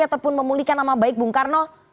ataupun memulihkan nama baik bung karno